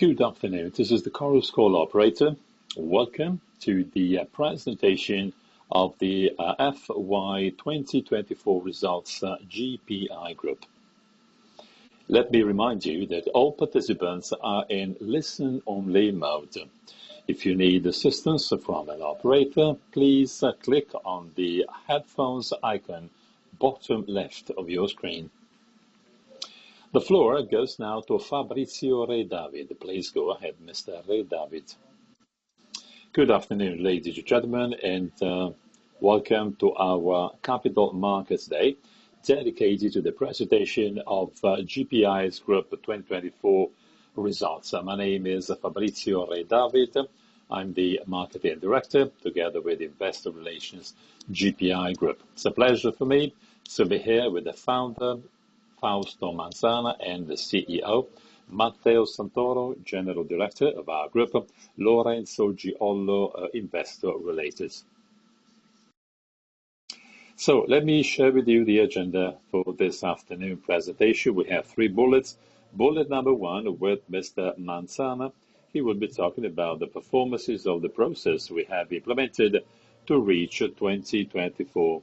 Good afternoon, this is the Chorus Call operator. Welcome to the presentation of the FY 2024 Results GPI Group. Let me remind you that all participants are in listen-only mode. If you need assistance from an operator, please click on the headphones icon bottom left of your screen. The floor goes now to Fabrizio Redavid. Please go ahead, Mr. Redavid. Good afternoon, ladies and gentlemen, and welcome to our Capital Markets Day dedicated to the presentation of GPI Group 2024 Results. My name is Fabrizio Redavid. I'm the Marketing Director together with Investor Relations GPI Group. It's a pleasure for me to be here with the founder, Fausto Manzana, and the CEO, Matteo Santoro, General Director of our group, Lorenzo Giollo, Investor Relations. So let me share with you the agenda for this afternoon presentation. We have three bullets. Bullet number one with Mr. Manzana. He will be talking about the performances of the process we have implemented to reach 2024,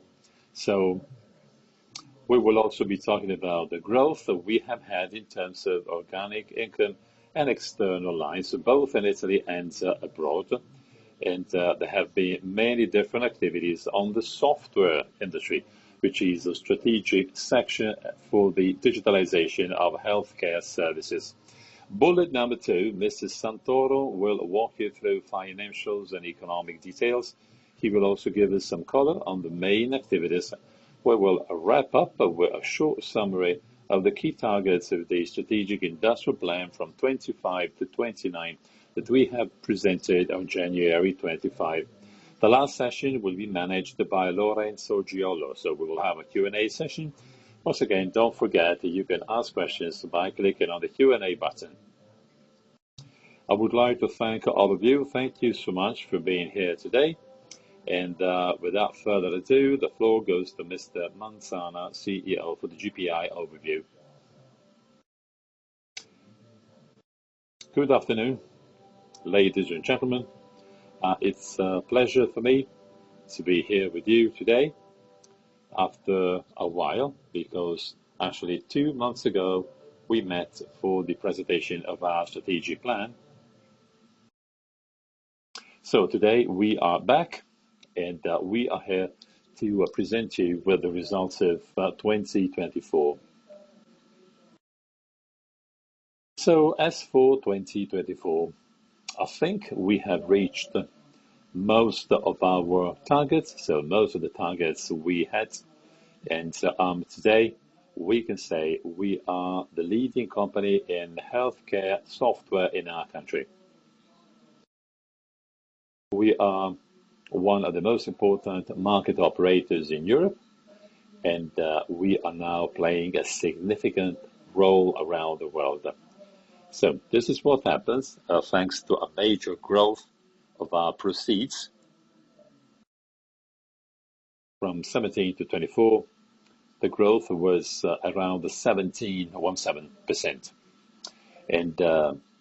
so we will also be talking about the growth we have had in terms of organic income and external lines, both in Italy and abroad, and there have been many different activities on the software industry, which is a strategic section for the digitalization of healthcare services. Bullet number two, Mr. Santoro will walk you through financials and economic details. He will also give us some color on the main activities. We will wrap up with a short summary of the key targets of the strategic industrial plan from 25 to 29 that we have presented on January 25. The last session will be managed by Lorenzo Giollo, so we will have a Q&A session. Once again, don't forget you can ask questions by clicking on the Q&A button. I would like to thank all of you. Thank you so much for being here today, and without further ado, the floor goes to Mr. Manzana, CEO, for the GPI overview. Good afternoon, ladies and gentlemen. It's a pleasure for me to be here with you today after a while because actually two months ago we met for the presentation of our strategic plan, so today we are back and we are here to present you with the results of 2024. So as for 2024, I think we have reached most of our targets, so most of the targets we had, and today we can say we are the leading company in healthcare software in our country. We are one of the most important market operators in Europe, and we are now playing a significant role around the world. This is what happens thanks to a major growth of our proceeds. From 2017 to 2024, the growth was around 17.17%.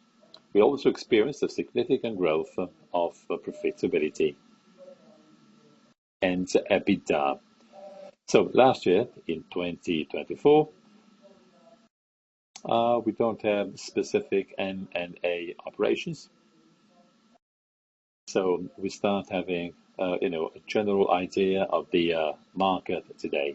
We also experienced a significant growth of profitability and EBITDA. Last year in 2024, we don't have specific M&A operations. We start having a general idea of the market today.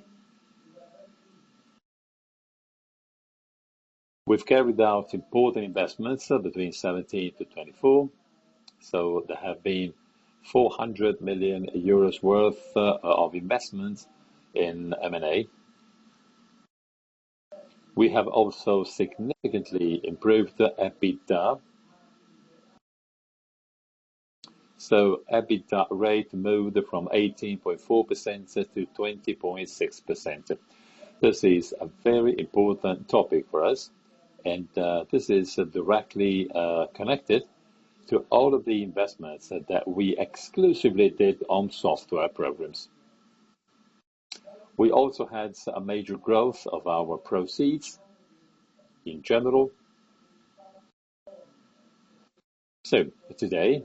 We've carried out important investments between 2017 to 2024. There have been 400 million euros worth of investment in M&A. We have also significantly improved EBITDA. EBITDA rate moved from 18.4% to 20.6%. This is a very important topic for us, and this is directly connected to all of the investments that we exclusively did on software programs. We also had a major growth of our proceeds in general. Today,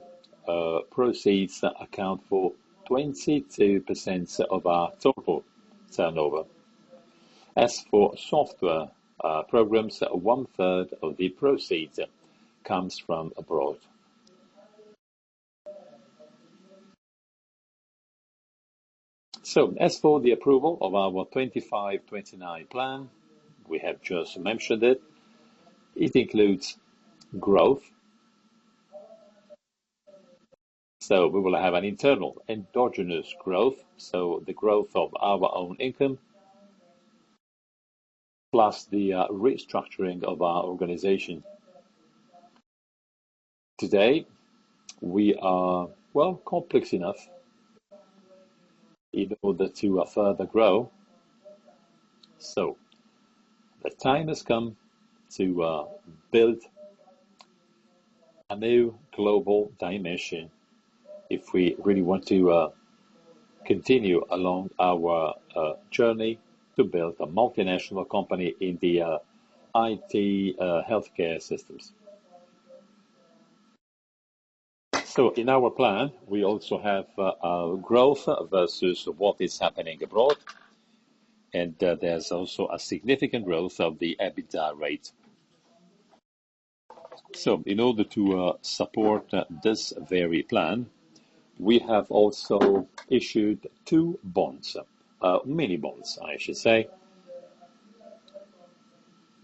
proceeds account for 22% of our total turnover. As for software programs, one third of the proceeds comes from abroad. So as for the approval of our 2025-2029 plan, we have just mentioned it. It includes growth. So we will have an internal endogenous growth, so the growth of our own income plus the restructuring of our organization. Today, we are well complex enough in order to further grow. So the time has come to build a new global dimension if we really want to continue along our journey to build a multinational company in the IT healthcare systems. So in our plan, we also have growth versus what is happening abroad, and there's also a significant growth of the EBITDA rate. So in order to support this very plan, we have also issued two bonds, mini bonds, I should say,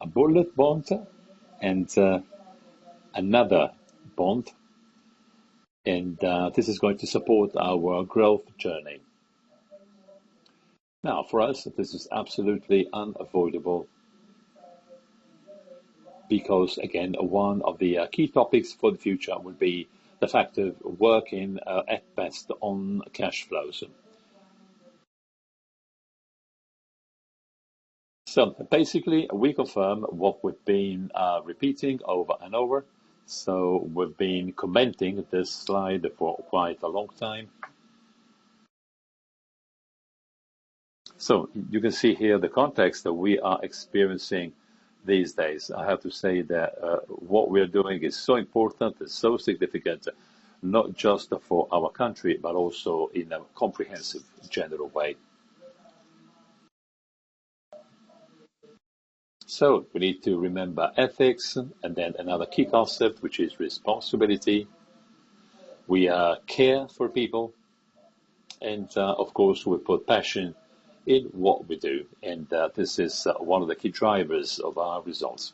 a bullet bond and another bond. And this is going to support our growth journey. Now, for us, this is absolutely unavoidable because, again, one of the key topics for the future would be the fact of working at best on cash flows. So basically, we confirm what we've been repeating over and over. So we've been commenting this slide for quite a long time. So you can see here the context that we are experiencing these days. I have to say that what we are doing is so important, so significant, not just for our country, but also in a comprehensive general way. So we need to remember ethics and then another key concept, which is responsibility. We care for people, and of course, we put passion in what we do, and this is one of the key drivers of our results.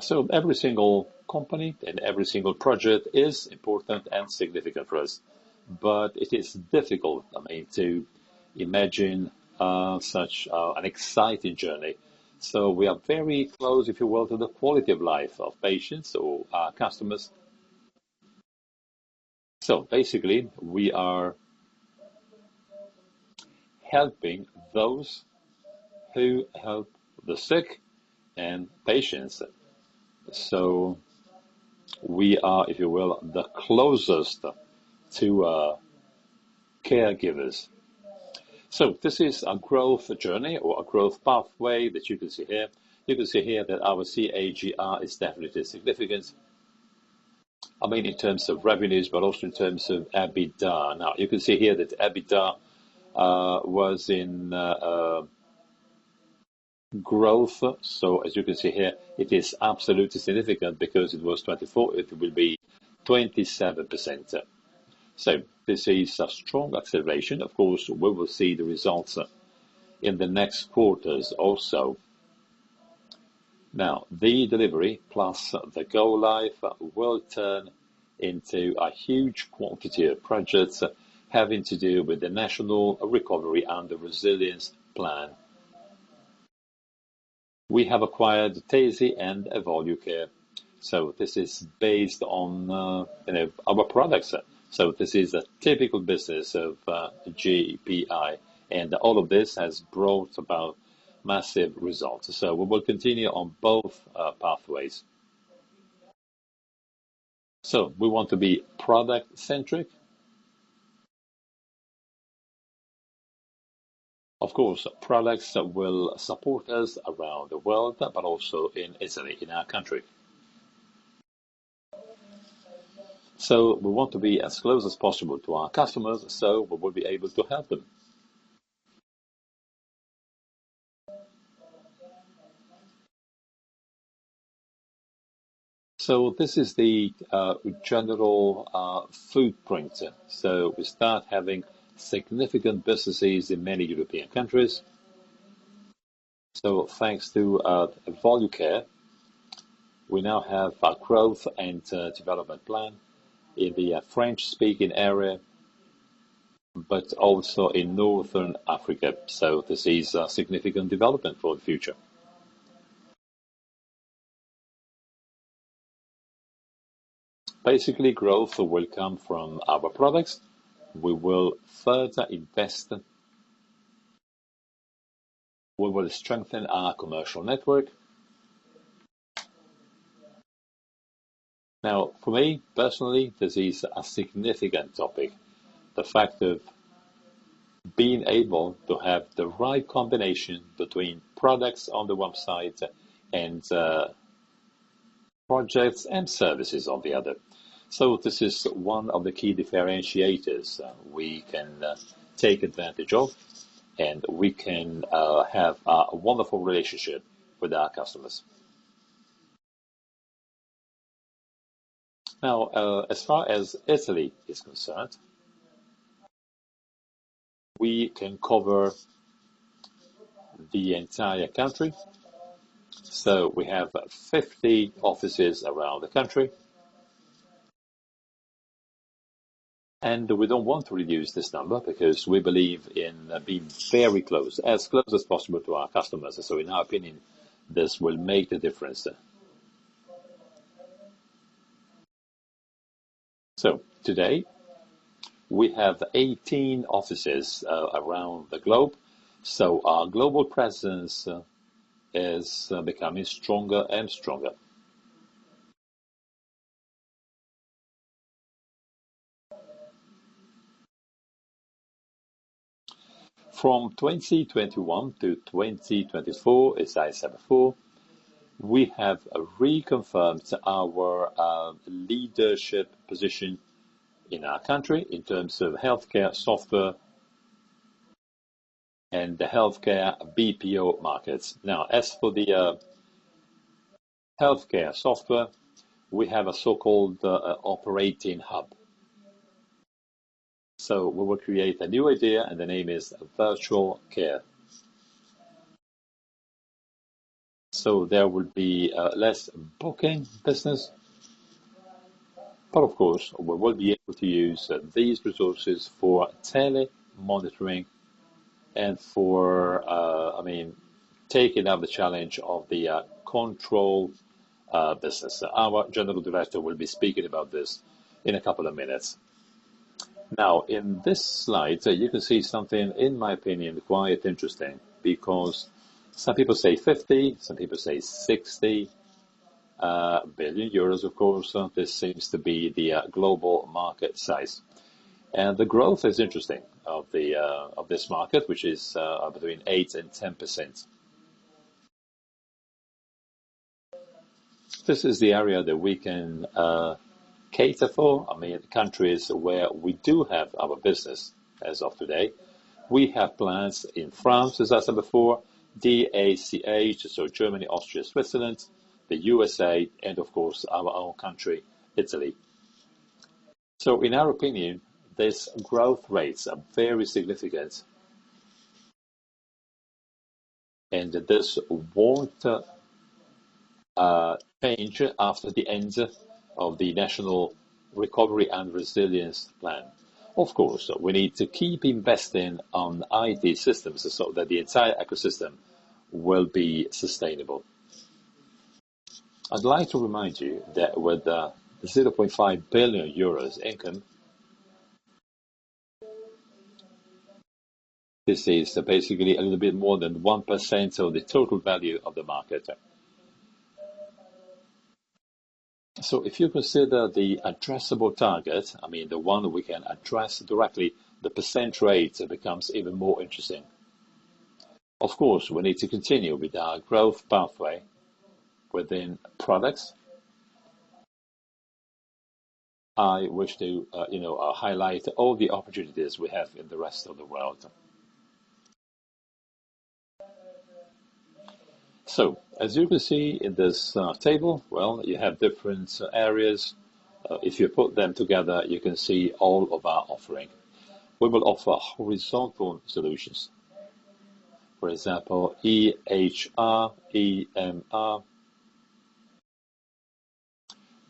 So every single company and every single project is important and significant for us, but it is difficult, I mean, to imagine such an exciting journey. So we are very close, if you will, to the quality of life of patients or customers. So basically, we are helping those who help the sick and patients. So we are, if you will, the closest to caregivers. So this is a growth journey or a growth pathway that you can see here. You can see here that our CAGR is definitely significant, I mean, in terms of revenues, but also in terms of EBITDA. Now, you can see here that EBITDA was in growth. So as you can see here, it is absolutely significant because it was 24%. It will be 27%. So this is a strong acceleration. Of course, we will see the results in the next quarters also. Now, the delivery plus the go-live will turn into a huge quantity of projects having to do with the National Recovery and Resilience Plan. We have acquired TESI and Evolucare. So this is based on our products. So this is a typical business of GPI, and all of this has brought about massive results. So we will continue on both pathways. So we want to be product-centric. Of course, products will support us around the world, but also in Italy, in our country. So we want to be as close as possible to our customers so we will be able to help them. So this is the general footprint. So we start having significant businesses in many European countries. So thanks to Evolucare, we now have a growth and development plan in the French-speaking area, but also in North Africa. So this is a significant development for the future. Basically, growth will come from our products. We will further invest. We will strengthen our commercial network. Now, for me personally, this is a significant topic, the fact of being able to have the right combination between products on the one side and projects and services on the other. So this is one of the key differentiators we can take advantage of, and we can have a wonderful relationship with our customers. Now, as far as Italy is concerned, we can cover the entire country. So we have 50 offices around the country. And we don't want to reduce this number because we believe in being very close, as close as possible to our customers. So in our opinion, this will make the difference. So today, we have 18 offices around the globe. So our global presence is becoming stronger and stronger. From 2021 to 2024, as I said before, we have reconfirmed our leadership position in our country in terms of healthcare software and the healthcare BPO markets. Now, as for the healthcare software, we have a so-called operating hub. So we will create a new idea, and the name is Virtual Care. So there will be less booking business. But of course, we will be able to use these resources for tele-monitoring and for, I mean, taking out the challenge of the control business. Our General Director will be speaking about this in a couple of minutes. Now, in this slide, you can see something, in my opinion, quite interesting because some people say 50, some people say 60 billion euros. Of course, this seems to be the global market size, and the growth is interesting of this market, which is between 8% and 10%. This is the area that we can cater for, I mean, countries where we do have our business as of today. We have plans in France, as I said before, DACH, so Germany, Austria, Switzerland, the USA, and of course, our own country, Italy, so in our opinion, these growth rates are very significant, and this won't change after the end of the National Recovery and Resilience Plan. Of course, we need to keep investing on IT systems so that the entire ecosystem will be sustainable. I'd like to remind you that with the 0.5 billion euros income, this is basically a little bit more than 1% of the total value of the market, so if you consider the addressable target, I mean, the one we can address directly, the percent rate becomes even more interesting. Of course, we need to continue with our growth pathway within products. I wish to highlight all the opportunities we have in the rest of the world. So as you can see in this table, well, you have different areas. If you put them together, you can see all of our offering. We will offer horizontal solutions, for example, EHR, EMR,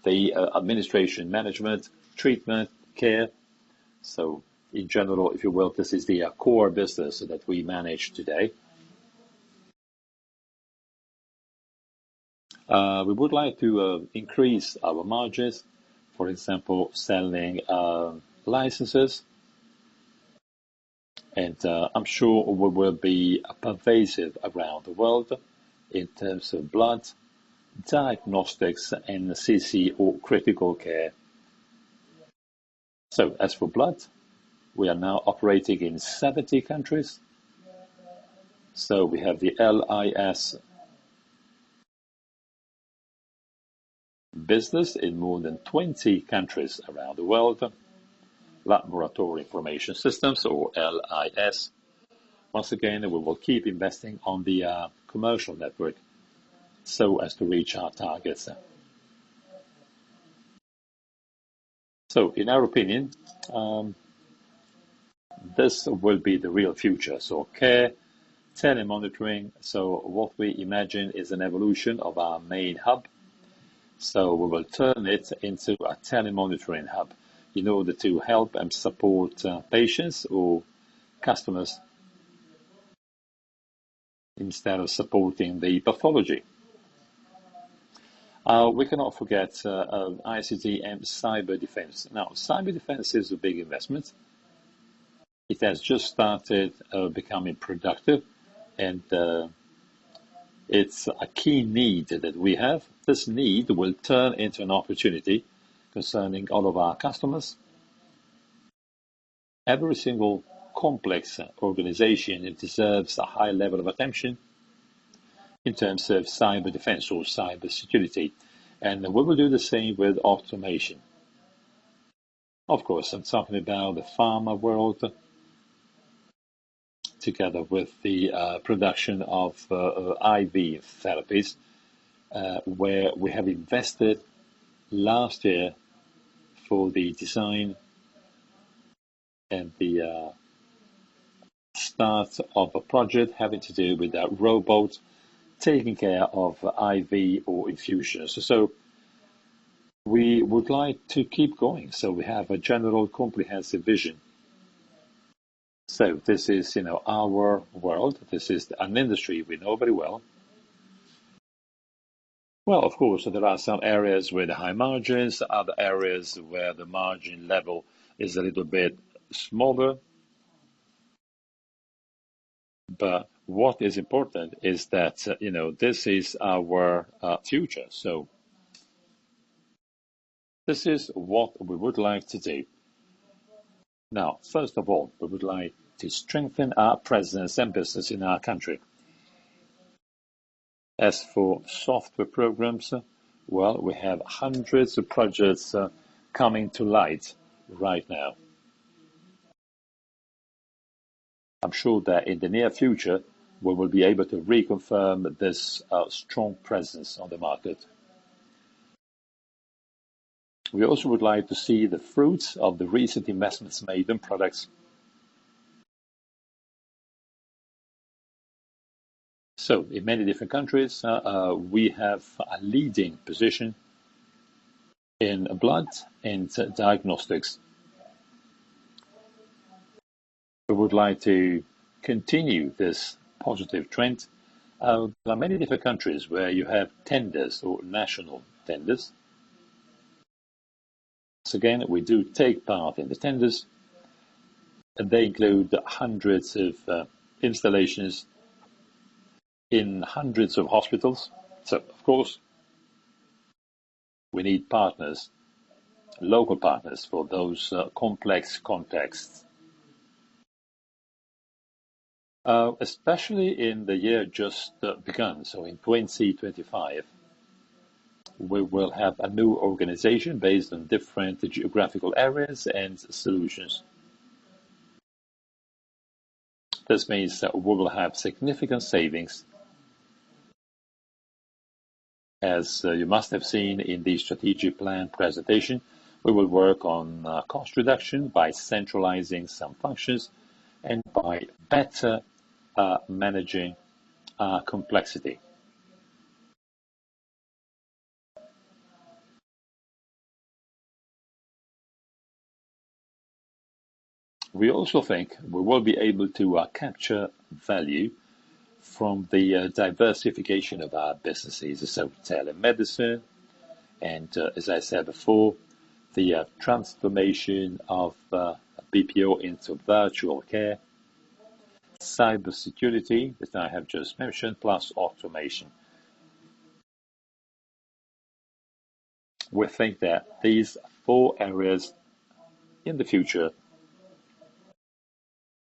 the administration, management, treatment, care. So in general, if you will, this is the core business that we manage today. We would like to increase our margins, for example, selling licenses. And I'm sure we will be pervasive around the world in terms of blood, diagnostics, and CC or critical care. So as for blood, we are now operating in 70 countries. So we have the LIS business in more than 20 countries around the world, laboratory information systems or LIS. Once again, we will keep investing on the commercial network so as to reach our targets. In our opinion, this will be the real future. Care, tele-monitoring. What we imagine is an evolution of our main hub. We will turn it into a tele-monitoring hub in order to help and support patients or customers instead of supporting the pathology. We cannot forget ICT and cyber defense. Now, cyber defense is a big investment. It has just started becoming productive, and it's a key need that we have. This need will turn into an opportunity concerning all of our customers. Every single complex organization deserves a high level of attention in terms of cyber defense or cyber security. We will do the same with automation. Of course, I'm talking about the pharma world together with the production of IV therapies where we have invested last year for the design and the start of a project having to do with robots taking care of IV or infusions. So we would like to keep going so we have a general comprehensive vision. So this is our world. This is an industry we know very well. Well, of course, there are some areas with high margins, other areas where the margin level is a little bit smaller. But what is important is that this is our future. So this is what we would like to do. Now, first of all, we would like to strengthen our presence and business in our country. As for software programs, well, we have hundreds of projects coming to light right now. I'm sure that in the near future, we will be able to reconfirm this strong presence on the market. We also would like to see the fruits of the recent investments made in products. So in many different countries, we have a leading position in blood and diagnostics. We would like to continue this positive trend. There are many different countries where you have tenders or national tenders. Once again, we do take part in the tenders, and they include hundreds of installations in hundreds of hospitals. So, of course, we need partners, local partners for those complex contexts. Especially in the year just begun, so in 2025, we will have a new organization based on different geographical areas and solutions. This means that we will have significant savings. As you must have seen in the strategic plan presentation, we will work on cost reduction by centralizing some functions and by better managing complexity. We also think we will be able to capture value from the diversification of our businesses. So telemedicine, and as I said before, the transformation of BPO into Virtual Care, cyber security that I have just mentioned, plus automation. We think that these four areas in the future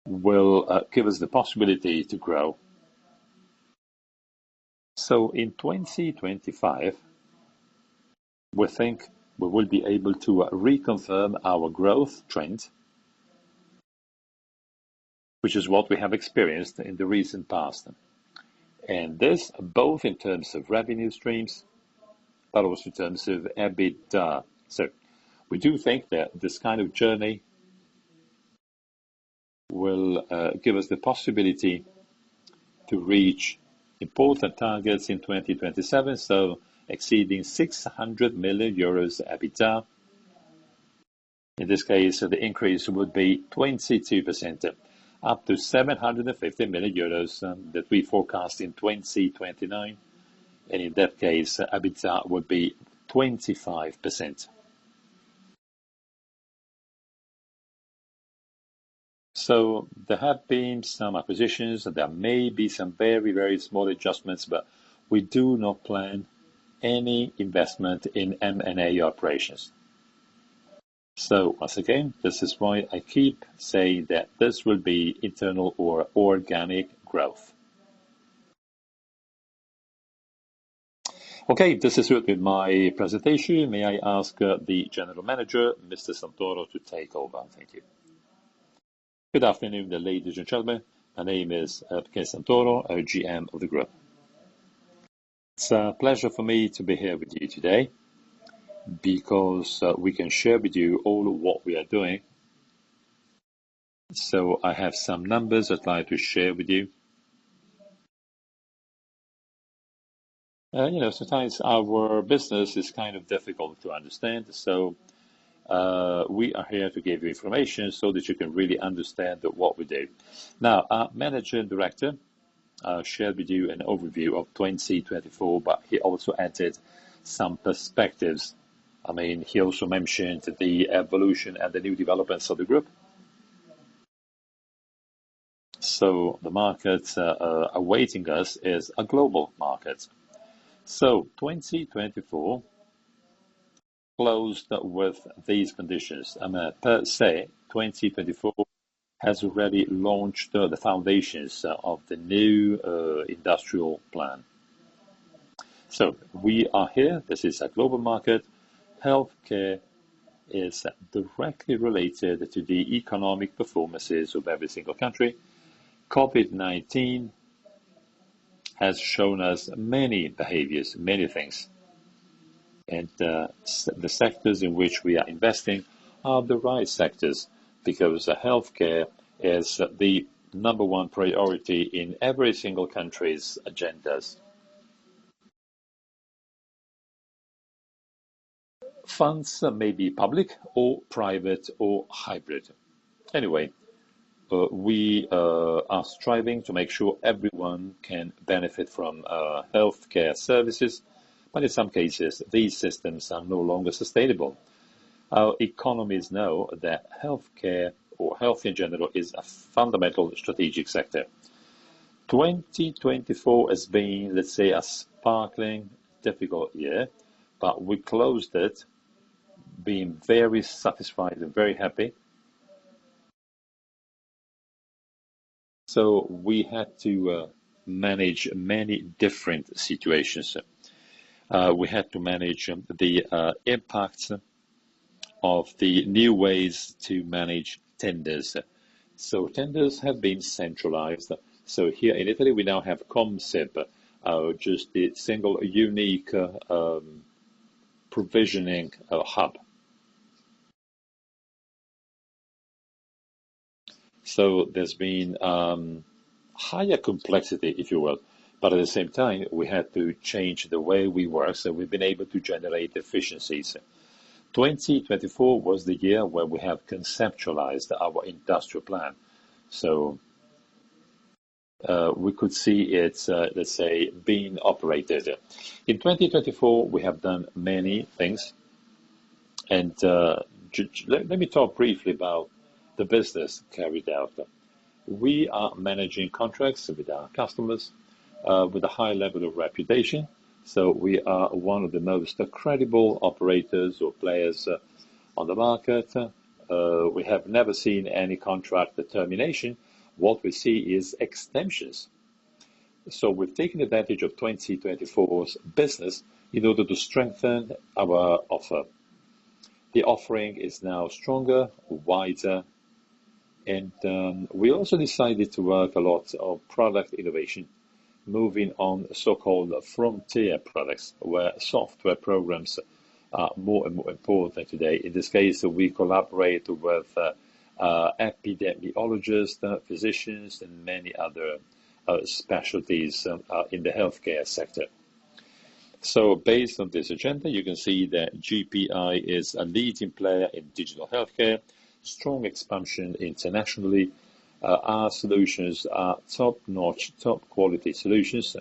will give us the possibility to grow. So in 2025, we think we will be able to reconfirm our growth trend, which is what we have experienced in the recent past. And this both in terms of revenue streams, but also in terms of EBITDA. So we do think that this kind of journey will give us the possibility to reach important targets in 2027, so exceeding 600 million euros EBITDA. In this case, the increase would be 22%, up to 750 million euros that we forecast in 2029. And in that case, EBITDA would be 25%. So there have been some acquisitions, and there may be some very, very small adjustments, but we do not plan any investment in M&A operations. So once again, this is why I keep saying that this will be internal or organic growth. Okay, this is it with my presentation. May I ask the General Manager, Mr. Santoro, to take over? Thank you. Good afternoon, ladies and gentlemen. My name is Matteo Santoro, GM of the group. It's a pleasure for me to be here with you today because we can share with you all what we are doing. So I have some numbers I'd like to share with you. Sometimes our business is kind of difficult to understand. We are here to give you information so that you can really understand what we do. Now, our manager and director shared with you an overview of 2024, but he also added some perspectives. I mean, he also mentioned the evolution and the new developments of the group. The market awaiting us is a global market. 2024 closed with these conditions. Per se, 2024 has already launched the foundations of the new industrial plan. We are here. This is a global market. Healthcare is directly related to the economic performances of every single country. COVID-19 has shown us many behaviors, many things. The sectors in which we are investing are the right sectors because healthcare is the number one priority in every single country's agendas. Funds may be public or private or hybrid. Anyway, we are striving to make sure everyone can benefit from healthcare services, but in some cases, these systems are no longer sustainable. Our economies know that healthcare or health in general is a fundamental strategic sector. 2024 has been, let's say, a sparkling, difficult year, but we closed it being very satisfied and very happy. So we had to manage many different situations. We had to manage the impact of the new ways to manage tenders. So tenders have been centralized. So here in Italy, we now have Consip, just the single unique provisioning hub. So there's been higher complexity, if you will, but at the same time, we had to change the way we work. So we've been able to generate efficiencies. 2024 was the year where we have conceptualized our industrial plan. So we could see it, let's say, being operated. In 2024, we have done many things, and let me talk briefly about the business carried out. We are managing contracts with our customers with a high level of reputation, so we are one of the most credible operators or players on the market. We have never seen any contract termination. What we see is extensions, so we've taken advantage of 2024's business in order to strengthen our offer. The offering is now stronger, wider, and we also decided to work a lot on product innovation, moving on so-called frontier products where software programs are more and more important today. In this case, we collaborate with epidemiologists, physicians, and many other specialties in the healthcare sector, so based on this agenda, you can see that GPI is a leading player in digital healthcare, strong expansion internationally. Our solutions are top-notch, top-quality solutions.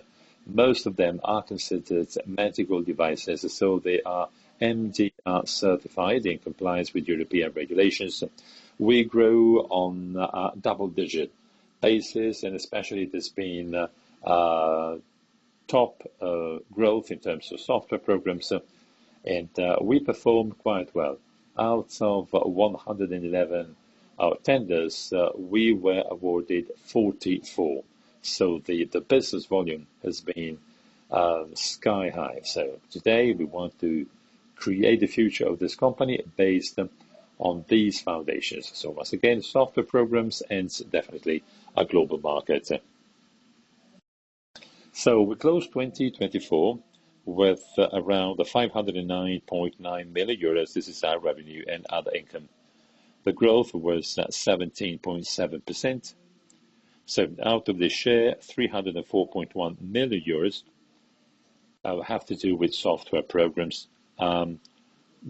Most of them are considered medical devices, so they are MDR certified in compliance with European regulations. We grow on a double-digit basis, and especially there's been top growth in terms of software programs. And we perform quite well. Out of 111 tenders, we were awarded 44. So the business volume has been sky-high. So today, we want to create the future of this company based on these foundations. So once again, software programs and definitely a global market. So we closed 2024 with around 509.9 million euros. This is our revenue and other income. The growth was 17.7%. So out of this share, 304.1 million euros have to do with software programs.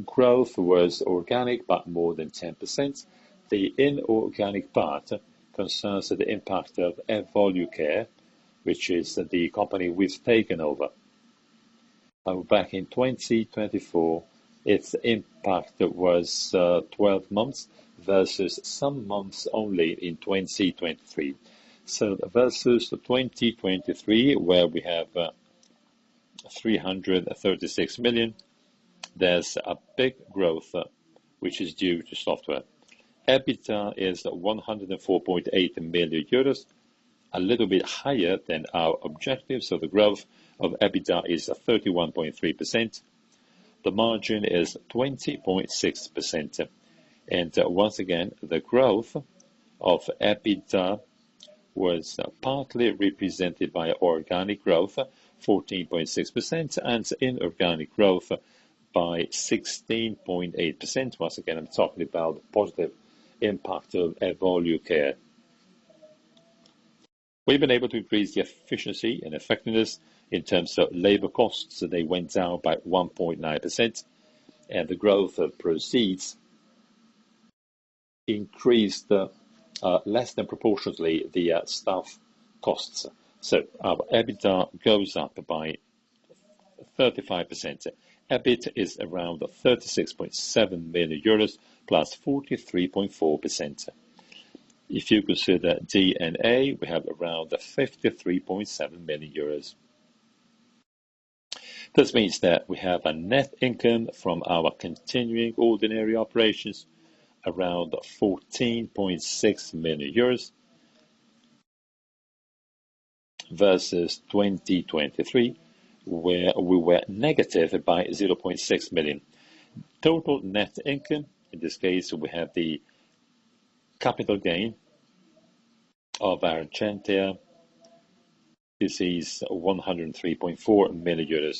Growth was organic, but more than 10%. The inorganic part concerns the impact of Evolucare, which is the company we've taken over. Back in 2024, its impact was 12 months versus some months only in 2023. So versus 2023, where we have 336 million, there's a big growth, which is due to software. EBITDA is 104.8 million euros, a little bit higher than our objective. So the growth of EBITDA is 31.3%. The margin is 20.6%. And once again, the growth of EBITDA was partly represented by organic growth, 14.6%, and inorganic growth by 16.8%. Once again, I'm talking about the positive impact of Evolucare. We've been able to increase the efficiency and effectiveness in terms of labor costs. They went down by 1.9%. And the growth of proceeds increased less than proportionately the staff costs. So our EBITDA goes up by 35%. EBIT is around 36.7 million euros, plus 43.4%. If you consider D&A, we have around 53.7 million euros. This means that we have a net income from our continuing ordinary operations around EUR 14.6 million versus 2023, where we were negative by 0.6 million. Total net income, in this case, we have the capital gain of our Argentea. This is 103.4 million.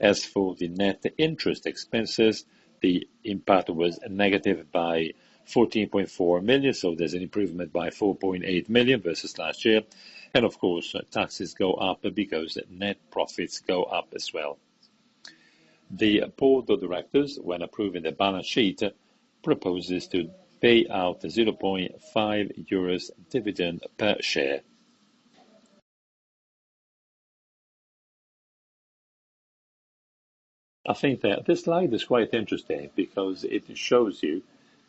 As for the net interest expenses, the impact was negative by 14.4 million. So there's an improvement by 4.8 million versus last year. And of course, taxes go up because net profits go up as well. The board of directors, when approving the balance sheet, proposes to pay out 0.5 euros dividend per share. I think that this slide is quite interesting because it shows you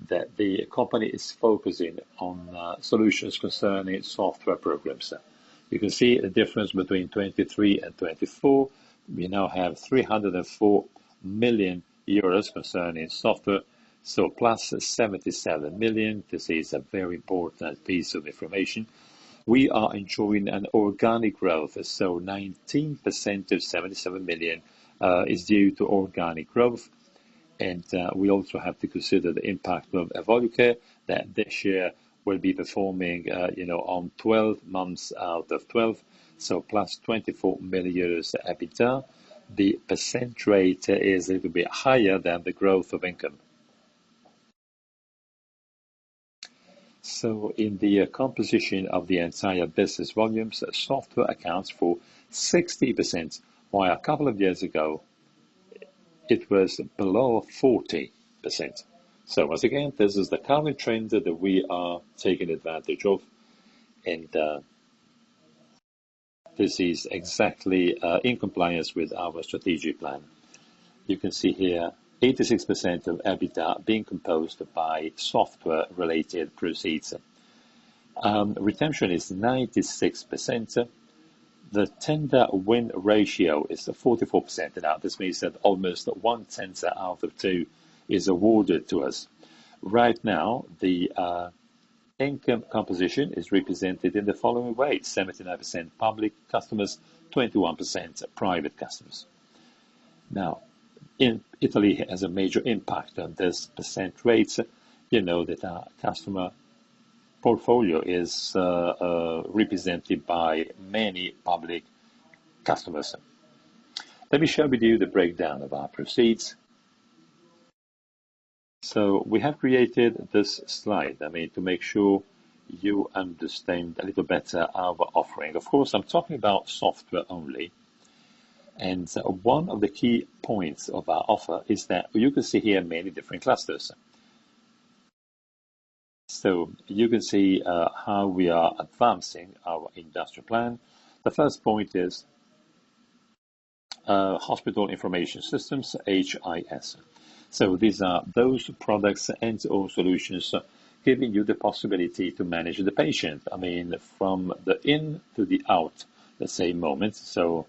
that the company is focusing on solutions concerning software programs. You can see the difference between 2023 and 2024. We now have 304 million euros concerning software. So plus 77 million. This is a very important piece of information. We are enjoying an organic growth. So 19% of 77 million is due to organic growth. And we also have to consider the impact of Evolucare, that this year we'll be performing on 12 months out of 12. So plus 24 million euros EBITDA. The percent rate is a little bit higher than the growth of income. So in the composition of the entire business volumes, software accounts for 60%, while a couple of years ago, it was below 40%. So once again, this is the current trend that we are taking advantage of. And this is exactly in compliance with our strategic plan. You can see here, 86% of EBITDA being composed by software-related proceeds. Retention is 96%. The tender-win ratio is 44%. Now, this means that almost one tenth out of two is awarded to us. Right now, the income composition is represented in the following ways: 79% public customers, 21% private customers. Now, Italy has a major impact on this percent rate. You know that our customer portfolio is represented by many public customers. Let me share with you the breakdown of our proceeds. So we have created this slide, I mean, to make sure you understand a little better our offering. Of course, I'm talking about software only. And one of the key points of our offer is that you can see here many different clusters. So you can see how we are advancing our industrial plan. The first point is hospital information systems, HIS. So these are those products and/or solutions giving you the possibility to manage the patient, I mean, from the in to the out, let's say, moment. So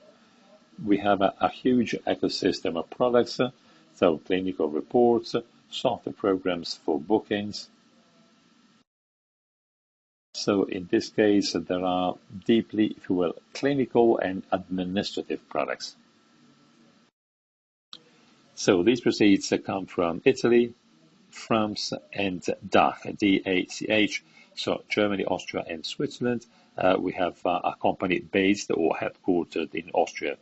we have a huge ecosystem of products: clinical reports, software programs for bookings. So in this case, there are deeply, if you will, clinical and administrative products. So these proceeds come from Italy, France, and DACH, D-A-C-H: Germany, Austria, and Switzerland. We have a company based or headquartered in Austria.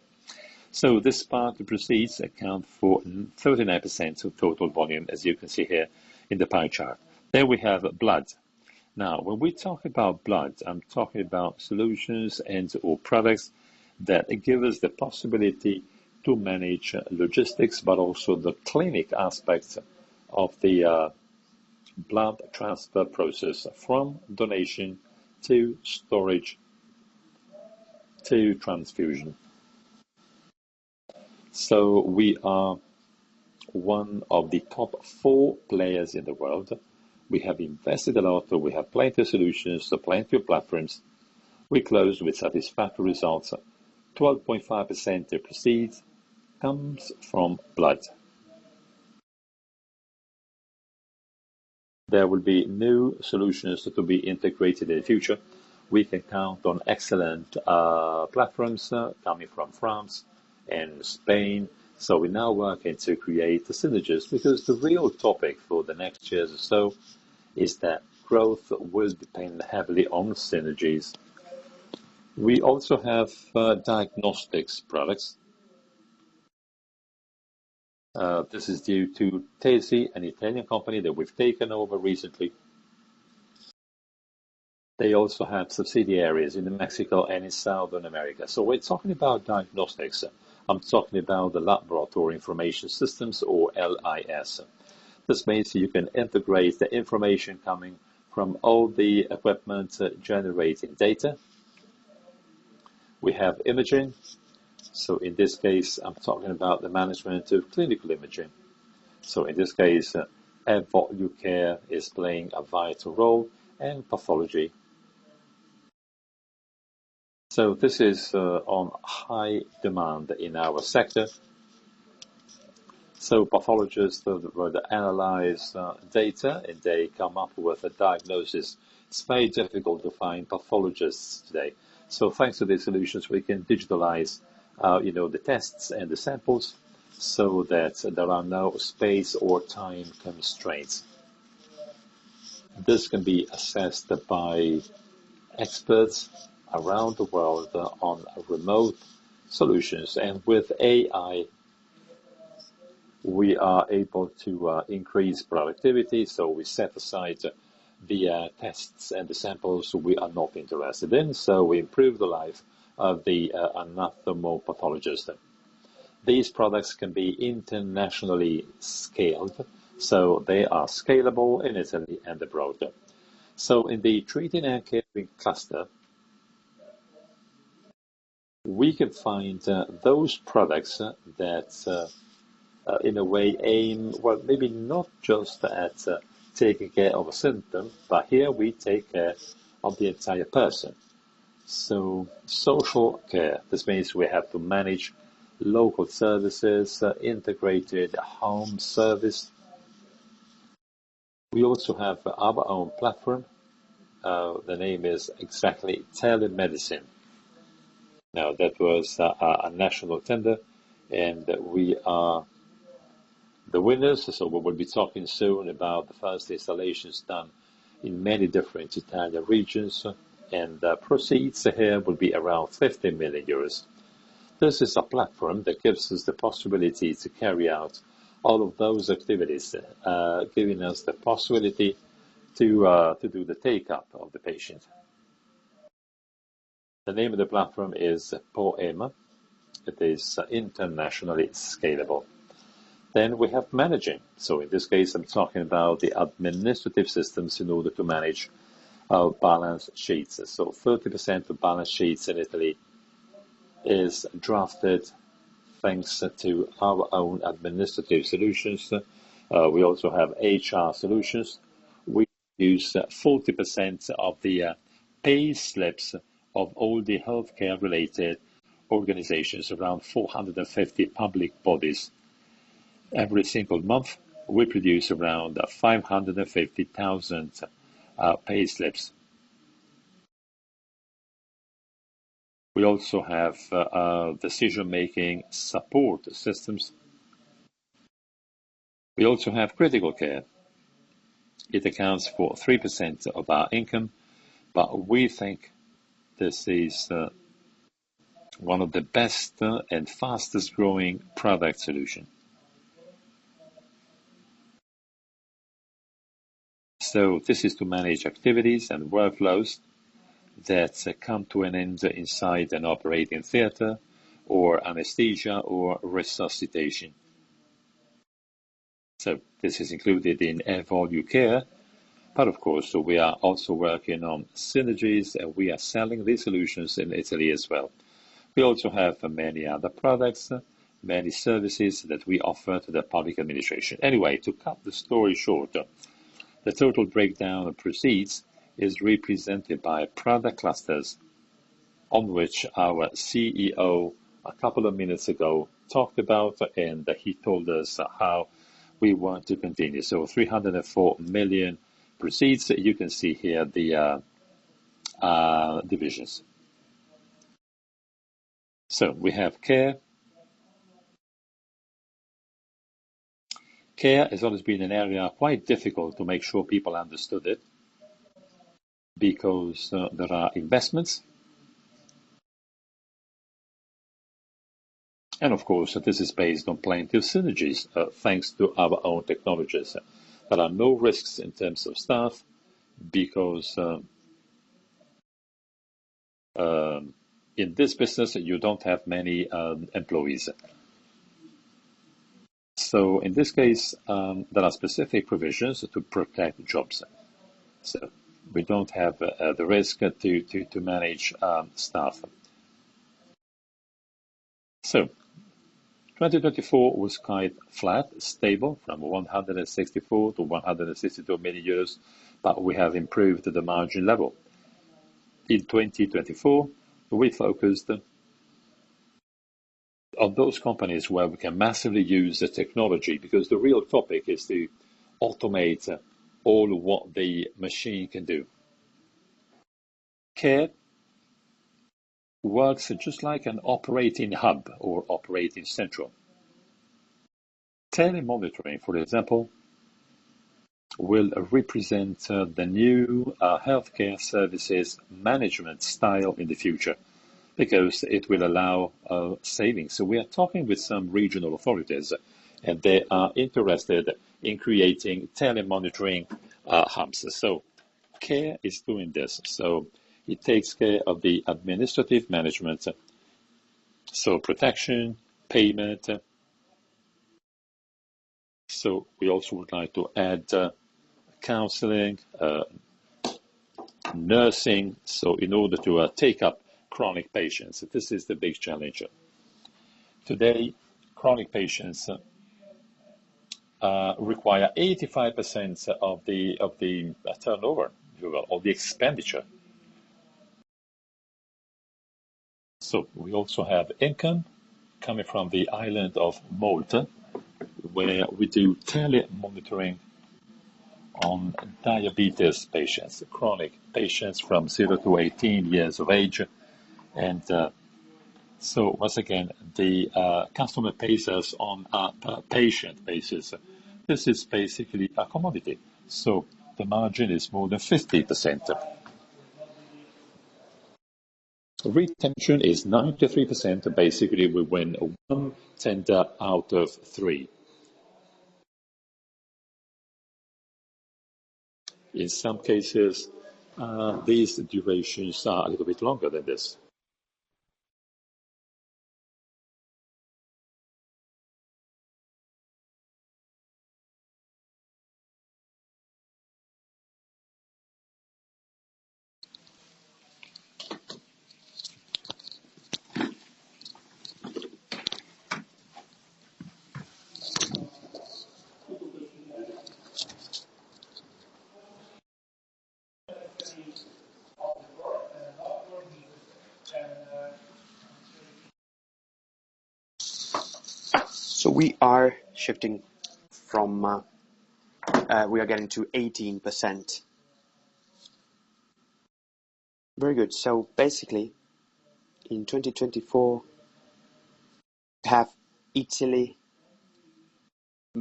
So this part, the proceeds, account for 39% of total volume, as you can see here in the pie chart. Then we have blood. Now, when we talk about blood, I'm talking about solutions and/or products that give us the possibility to manage logistics, but also the clinic aspect of the blood transfer process from donation to storage to transfusion. So we are one of the top four players in the world. We have invested a lot. We have plenty of solutions, plenty of platforms. We closed with satisfactory results. 12.5% of proceeds comes from blood. There will be new solutions to be integrated in the future. We can count on excellent platforms coming from France and Spain. So we now work to create synergies because the real topic for the next year or so is that growth will depend heavily on synergies. We also have diagnostics products. This is due to TESI, an Italian company that we've taken over recently. They also have subsidiaries in Mexico and in South America. So we're talking about diagnostics. I'm talking about the laboratory information systems or LIS. This means you can integrate the information coming from all the equipment generating data. We have imaging. So in this case, I'm talking about the management of clinical imaging. So in this case, Evolucare is playing a vital role and pathology. So this is on high demand in our sector. Pathologists will analyze data, and they come up with a diagnosis. It's very difficult to find pathologists today. Thanks to these solutions, we can digitize the tests and the samples so that there are no space or time constraints. This can be assessed by experts around the world on remote solutions. With AI, we are able to increase productivity. We set aside the tests and the samples we are not interested in. We improve the life of the anatomopathologist. These products can be internationally scaled. They are scalable in Italy and abroad. In the treating and caring cluster, we can find those products that, in a way, aim, well, maybe not just at taking care of a symptom, but here we take care of the entire person. Social care, this means we have to manage local services, integrated home service. We also have our own platform. The name is exactly Telemedicine. Now, that was a national tender, and we are the winners, so we will be talking soon about the first installations done in many different Italian regions, and the proceeds here will be around 50 million euros. This is a platform that gives us the possibility to carry out all of those activities, giving us the possibility to do the take-up of the patient. The name of the platform is POHEMA. It is internationally scalable, then we have managing, so in this case, I'm talking about the administrative systems in order to manage our balance sheets, so 30% of balance sheets in Italy is drafted thanks to our own administrative solutions. We also have HR solutions. We use 40% of the payslips of all the healthcare-related organizations, around 450 public bodies. Every single month, we produce around 550,000 payslips. We also have decision-making support systems. We also have critical care. It accounts for 3% of our income, but we think this is one of the best and fastest-growing product solutions. So this is to manage activities and workflows that come to an end inside an operating theater or anesthesia or resuscitation. So this is included in Evolucare. But of course, we are also working on synergies, and we are selling these solutions in Italy as well. We also have many other products, many services that we offer to the public administration. Anyway, to cut the story short, the total breakdown of proceeds is represented by product clusters on which our CEO a couple of minutes ago talked about, and he told us how we want to continue. So 304 million proceeds. You can see here the divisions. So we have Care. Care has always been an area quite difficult to make sure people understood it because there are investments, and of course, this is based on plenty of synergies thanks to our own technologies. There are no risks in terms of staff because in this business, you don't have many employees, so in this case, there are specific provisions to protect jobs, so we don't have the risk to manage staff, so 2024 was quite flat, stable, from 164 million to 162 million euros, but we have improved the margin level. In 2024, we focused on those companies where we can massively use the technology because the real topic is to automate all of what the machine can do. Care works just like an operating hub or operating central. Telemonitoring, for example, will represent the new healthcare services management style in the future because it will allow savings. We are talking with some regional authorities, and they are interested in creating telemonitoring hubs. So care is doing this. So it takes care of the administrative management, so protection, payment. So we also would like to add counseling, nursing, so in order to take up chronic patients. This is the big challenge. Today, chronic patients require 85% of the turnover, if you will, or the expenditure. So we also have income coming from the island of Malta, where we do telemonitoring on diabetes patients, chronic patients from zero to 18 years of age. And so once again, the customer pays us on a patient basis. This is basically a commodity. So the margin is more than 50%. Retention is 93%. Basically, we win one tender out of three. In some cases, these durations are a little bit longer than this. So we are shifting from we are getting to 18%. Very good. So basically, in 2024, we have Italy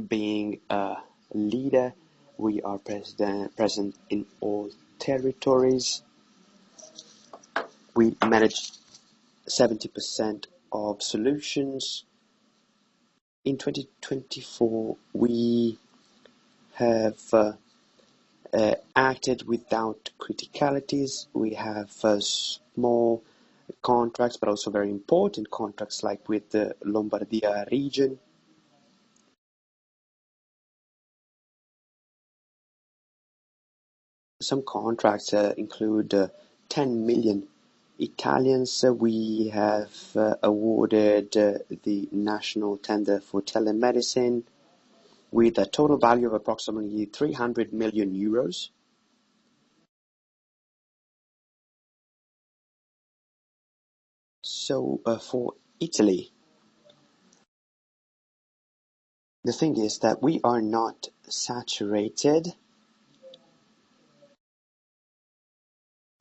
being a leader. We are present in all territories. We manage 70% of solutions. In 2024, we have acted without criticalities. We have small contracts, but also very important contracts, like with the Lombardia Region. Some contracts include 10 million Italians. We have awarded the national tender for telemedicine with a total value of approximately 300 million euros. So for Italy, the thing is that we are not saturated.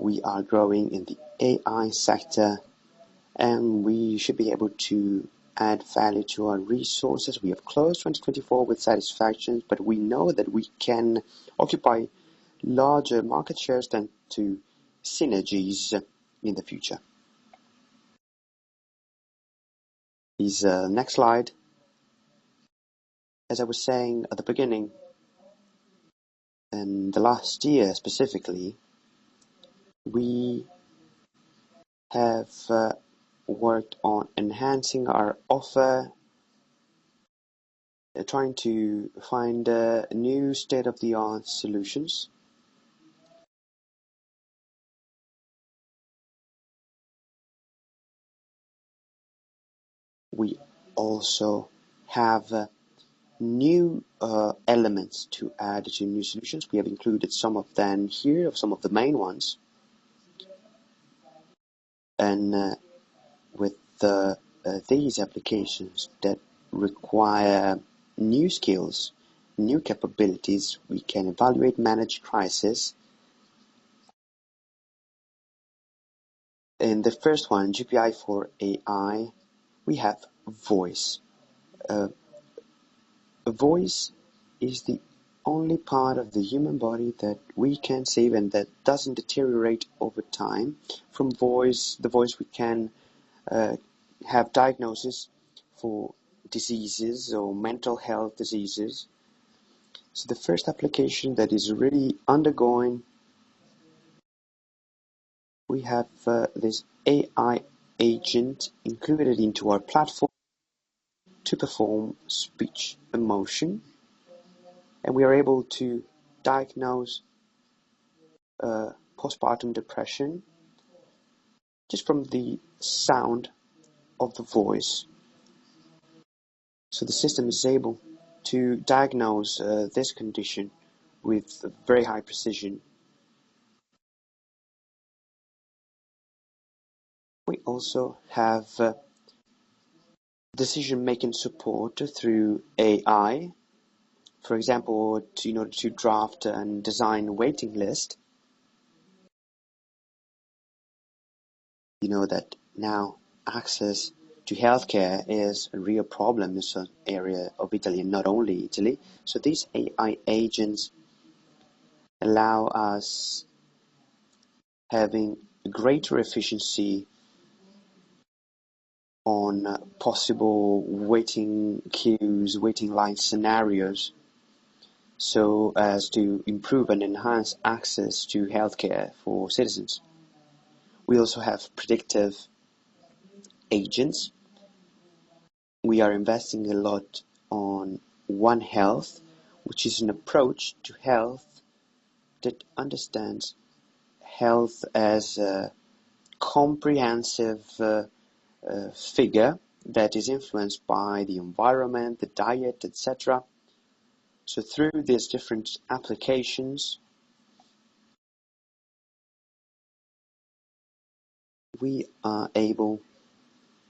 We are growing in the AI sector, and we should be able to add value to our resources. We have closed 2024 with satisfaction, but we know that we can occupy larger market shares thanks to synergies in the future. Next slide. As I was saying at the beginning, in the last year specifically, we have worked on enhancing our offer, trying to find new state-of-the-art solutions. We also have new elements to add to new solutions. We have included some of them here, some of the main ones, and with these applications that require new skills, new capabilities, we can evaluate managed crisis. In the first one, Gpi4AI, we have voice. Voice is the only part of the human body that we can save and that doesn't deteriorate over time. From voice, the voice we can have diagnosis for diseases or mental health diseases, so the first application that is really undergoing, we have this AI agent included into our platform to perform speech emotion, and we are able to diagnose postpartum depression just from the sound of the voice. So the system is able to diagnose this condition with very high precision. We also have decision-making support through AI, for example, in order to draft and design a waiting list. You know that now access to healthcare is a real problem in some areas of Italy, and not only Italy. So these AI agents allow us having greater efficiency on possible waiting queues, waiting line scenarios, so as to improve and enhance access to healthcare for citizens. We also have predictive agents. We are investing a lot on One Health, which is an approach to health that understands health as a comprehensive figure that is influenced by the environment, the diet, etc. So through these different applications, we are able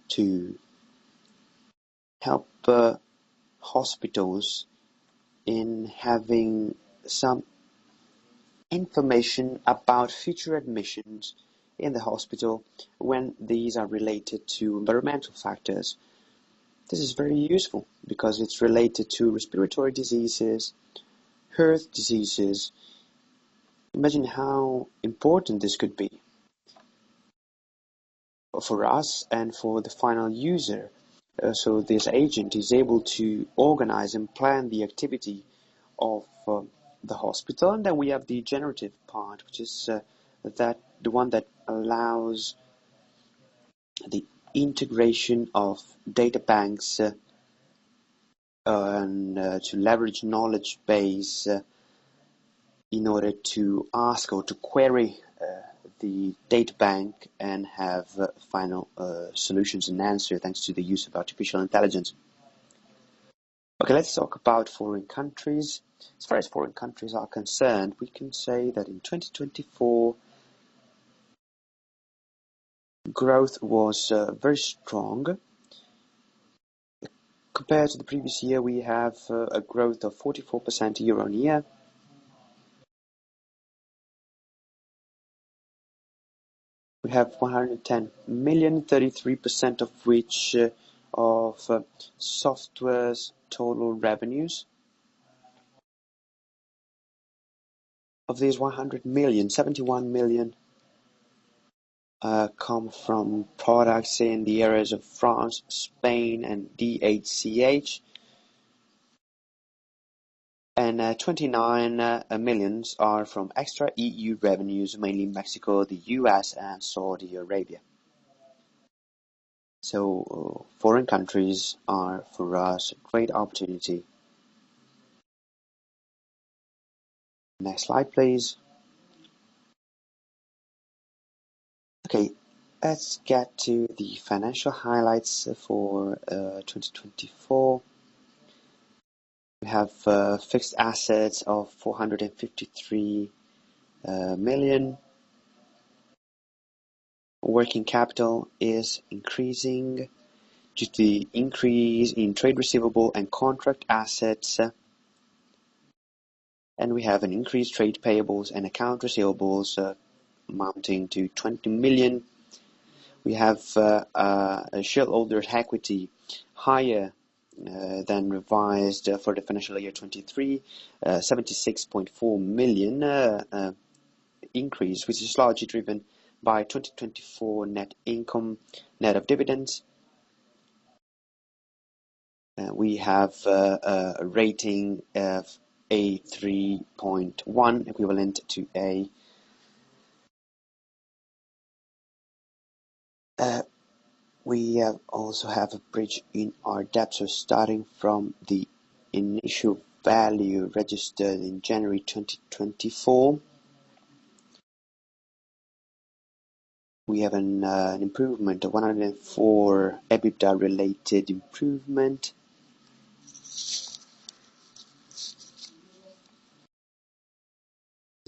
to help hospitals in having some information about future admissions in the hospital when these are related to environmental factors. This is very useful because it's related to respiratory diseases, heart diseases. Imagine how important this could be for us and for the final user, so this agent is able to organize and plan the activity of the hospital, and then we have the generative part, which is the one that allows the integration of data banks to leverage knowledge base in order to ask or to query the data bank and have final solutions and answers thanks to the use of artificial intelligence. Okay, let's talk about foreign countries. As far as foreign countries are concerned, we can say that in 2024, growth was very strong. Compared to the previous year, we have a growth of 44% year on year. We have 110 million, 33% of which of software's total revenues. Of these 100 million, 71 million come from products in the areas of France, Spain, and DACH. And 29 million are from extra-EU revenues, mainly Mexico, the U.S., and Saudi Arabia. So foreign countries are for us a great opportunity. Next slide, please. Okay, let's get to the financial highlights for 2024. We have fixed assets of 453 million. Working capital is increasing due to the increase in trade receivables and contract assets. And we have an increased trade payables and accounts receivables amounting to 20 million. We have shareholder equity higher than revised for the financial year 2023, 76.4 million increase, which is largely driven by 2024 net income, net of dividends. We have a rating of A3.1 equivalent to A. We also have a bridge in our debt. So starting from the initial value registered in January 2024, we have an improvement of 104 million EBITDA-related improvement,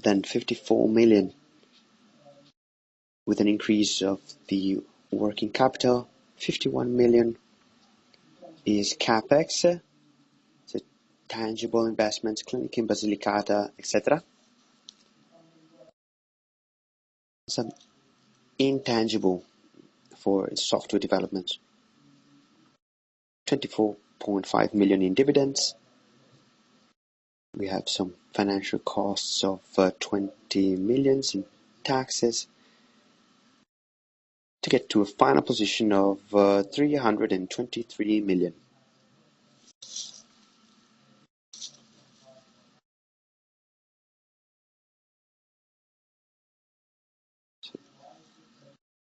then 54 million with an increase of the working capital. 51 million is CapEx, tangible investments, clinic in Basilicata, etc. Some intangible for software development, 24.5 million in dividends. We have some financial costs of 20 million in taxes to get to a final position of 323 million.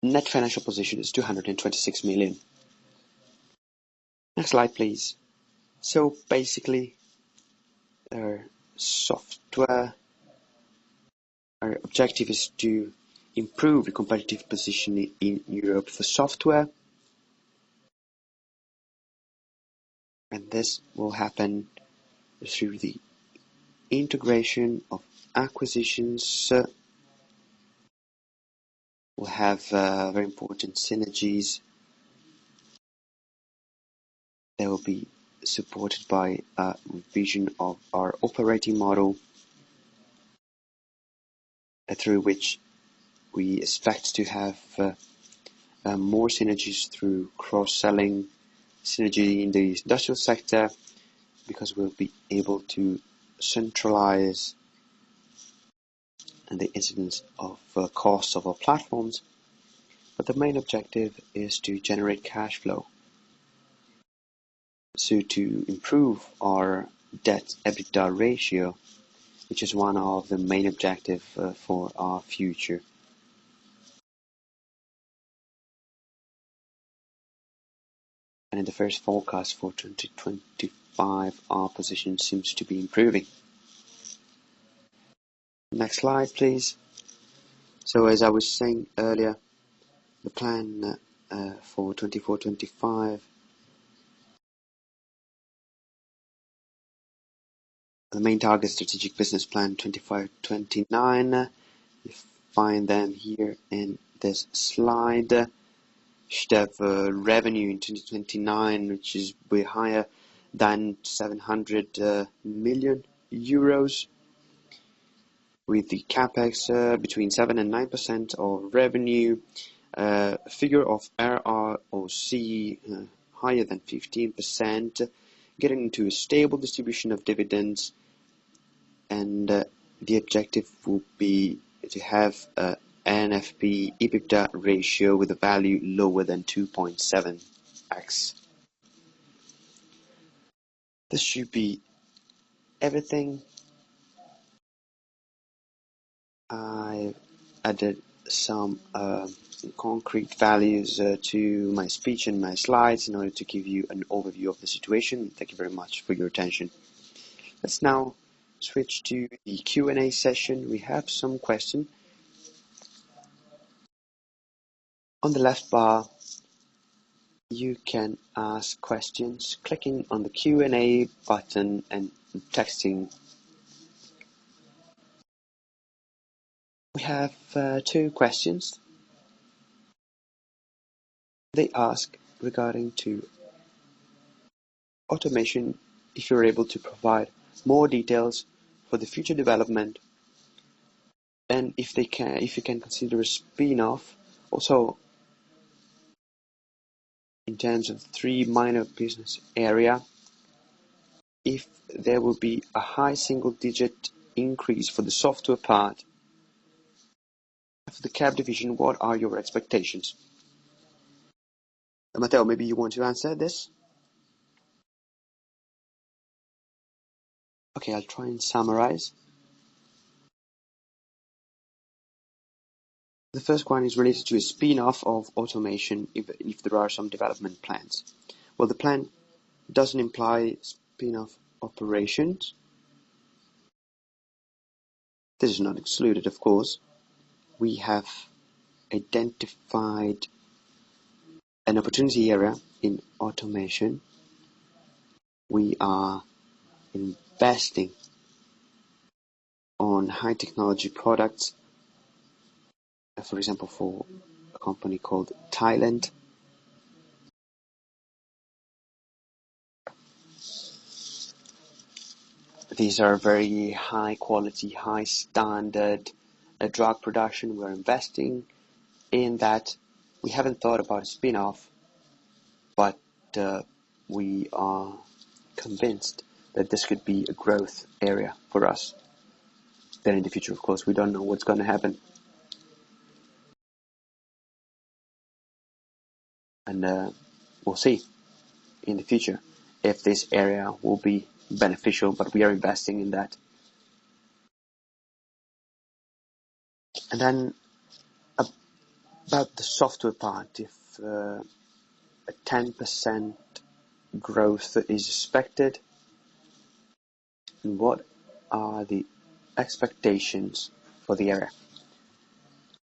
Net financial position is 226 million. Next slide, please. So basically, our objective is to improve the competitive position in Europe for software. And this will happen through the integration of acquisitions. We'll have very important synergies. They will be supported by a revision of our operating model through which we expect to have more synergies through cross-selling synergy in the industrial sector because we'll be able to centralize the incidence of costs of our platforms. But the main objective is to generate cash flow to improve our debt/EBITDA ratio, which is one of the main objectives for our future. In the first forecast for 2025, our position seems to be improving. Next slide, please. As I was saying earlier, the plan for 24-25, the main target strategic business plan 25-29, you find them here in this slide. We have revenue in 2029, which is way higher than 700 million euros, with the CapEx between 7%-9% of revenue, a figure of ROIC higher than 15%, getting to a stable distribution of dividends. The objective will be to have an NFP EBITDA ratio with a value lower than 2.7x. This should be everything. I've added some concrete values to my speech and my slides in order to give you an overview of the situation. Thank you very much for your attention. Let's now switch to the Q&A session. We have some questions. On the left bar, you can ask questions clicking on the Q&A button and texting. We have two questions. They ask regarding automation, if you're able to provide more details for the future development, and if you can consider a spin-off. Also, in terms of three minor business areas, if there will be a high single-digit increase for the software part, for the cap division, what are your expectations? Matteo, maybe you want to answer this. Okay, I'll try and summarize. The first one is related to a spin-off of automation if there are some development plans. The plan doesn't imply spin-off operations. This is not excluded, of course. We have identified an opportunity area in automation. We are investing on high-technology products, for example, for a company in Thailand. These are very high-quality, high-standard drug production. We're investing in that. We haven't thought about a spin-off, but we are convinced that this could be a growth area for us, then in the future, of course, we don't know what's going to happen, and we'll see in the future if this area will be beneficial, but we are investing in that, and then about the software part, if a 10% growth is expected, what are the expectations for the area?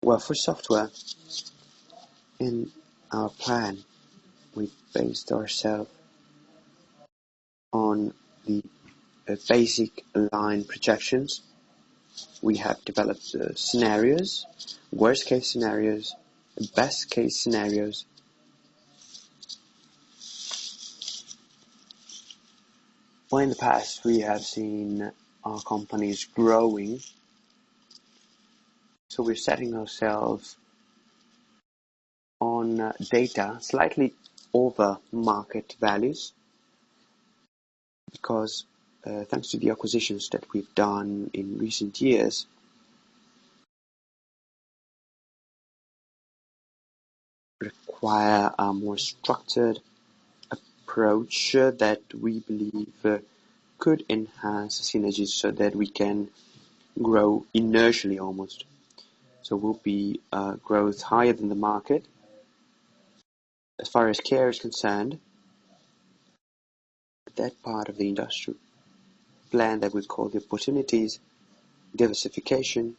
Well, for software in our plan, we based ourselves on the basic line projections. We have developed scenarios, worst-case scenarios, best-case scenarios. In the past, we have seen our companies growing. So we're setting ourselves on data slightly over market values because thanks to the acquisitions that we've done in recent years, we require a more structured approach that we believe could enhance synergies so that we can grow inertially almost. So we'll be growth higher than the market. As far as care is concerned, that part of the industrial plan that we've called the opportunities, diversification,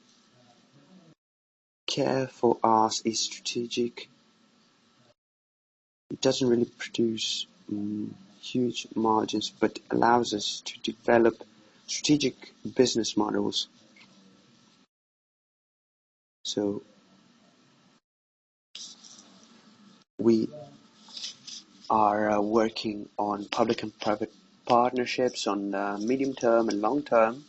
care for us is strategic. It doesn't really produce huge margins but allows us to develop strategic business models. So we are working on public and private partnerships on medium-term and long-term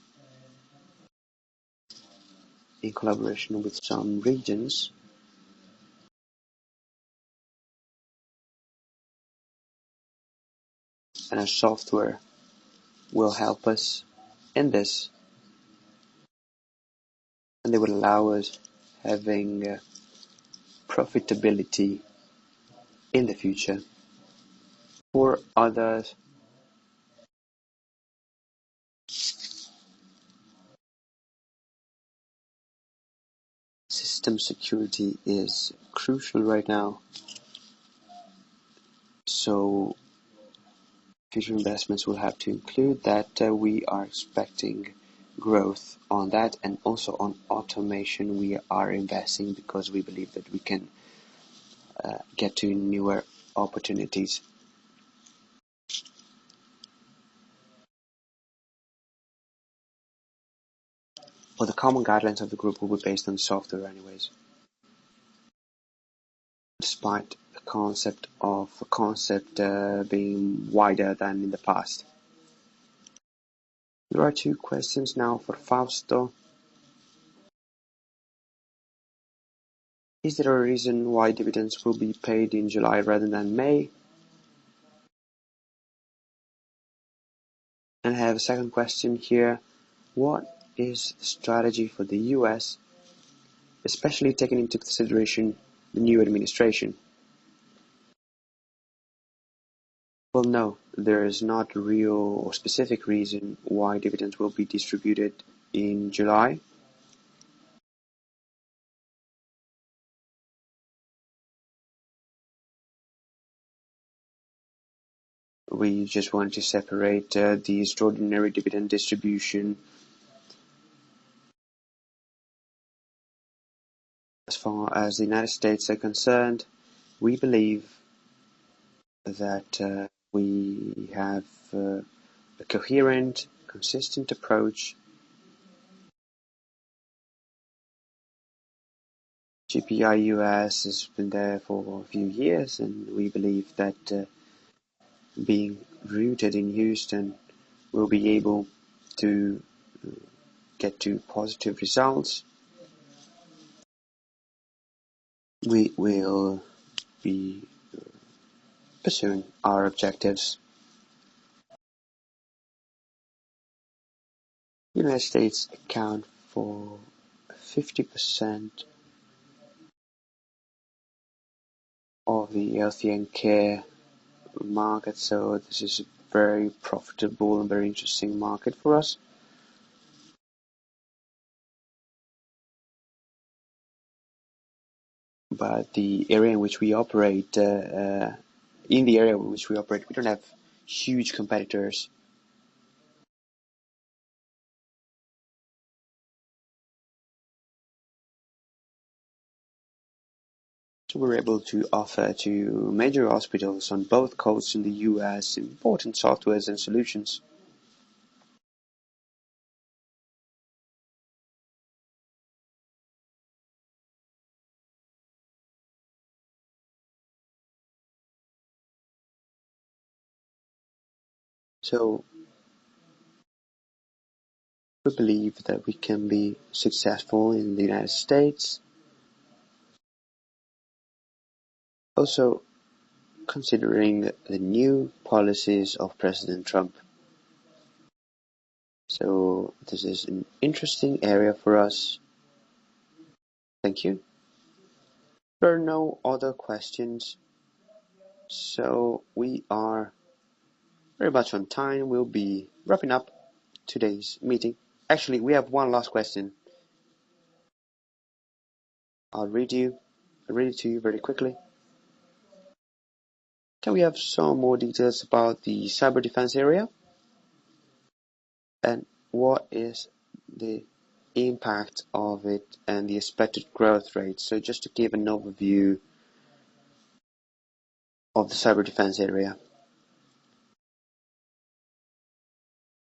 in collaboration with some regions. And software will help us in this, and it will allow us having profitability in the future. For others, system security is crucial right now. So future investments will have to include that we are expecting growth on that. And also on automation, we are investing because we believe that we can get to newer opportunities. The common guidelines of the group will be based on software anyways, despite the concept being wider than in the past. There are two questions now for Fausto. Is there a reason why dividends will be paid in July rather than May? And I have a second question here. What is the strategy for the U.S., especially taking into consideration the new administration? Well, no, there is not a real or specific reason why dividends will be distributed in July. We just want to separate the extraordinary dividend distribution. As far as the United States are concerned, we believe that we have a coherent, consistent approach. GPI USA has been there for a few years, and we believe that being rooted in Houston will be able to get to positive results. We will be pursuing our objectives. The United States accounts for 50% of the health and care market, so this is a very profitable and very interesting market for us. But the area in which we operate, we don't have huge competitors. So we're able to offer to major hospitals on both coasts in the U.S. important software and solutions. So we believe that we can be successful in the United States, also considering the new policies of President Trump. So this is an interesting area for us. Thank you. There are no other questions, so we are very much on time. We'll be wrapping up today's meeting. Actually, we have one last question. I'll read it to you very quickly. Can we have some more details about the cyber defense area? And what is the impact of it and the expected growth rate? So just to give an overview of the cyber defense area.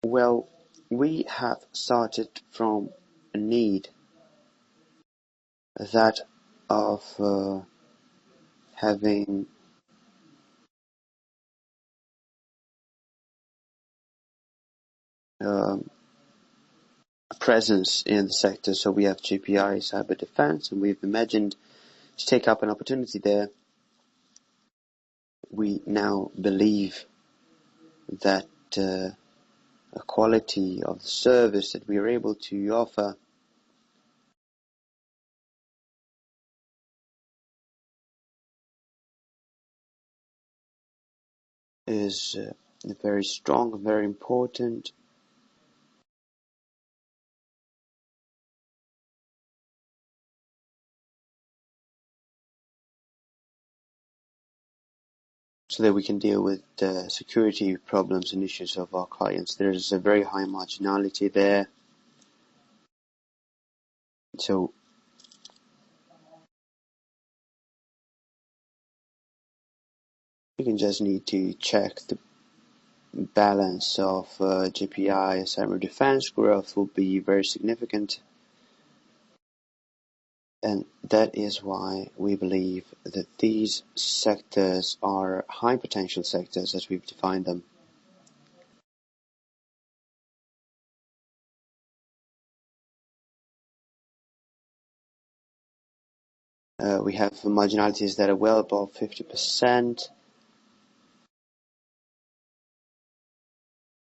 Well, we have started from a need that of having a presence in the sector. So we have GPI Cyberdefence, and we've imagined to take up an opportunity there. We now believe that the quality of the service that we are able to offer is very strong and very important so that we can deal with the security problems and issues of our clients. There is a very high marginality there. So we can just need to check the balance of GPI Cyberdefence growth will be very significant. And that is why we believe that these sectors are high-potential sectors as we've defined them. We have marginalities that are well above 50%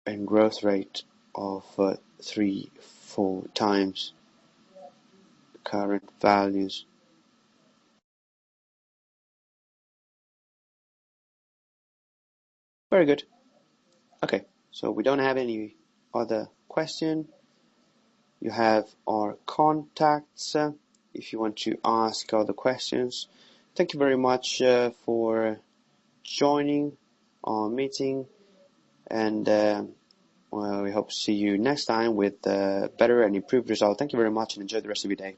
and growth rate of three to four times current values. Very good. Okay, so we don't have any other question. You have our contacts if you want to ask other questions. Thank you very much for joining our meeting, and we hope to see you next time with better and improved results. Thank you very much, and enjoy the rest of your day.